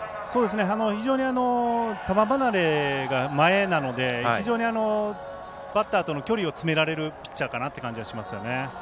非常に球離れが前なので非常にバッターとの距離を詰められるピッチャーかなっていう感じがしますよね。